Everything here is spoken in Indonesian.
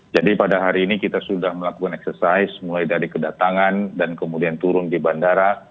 jadi pada hari ini kita sudah melakukan eksersis mulai dari kedatangan dan kemudian turun di bandara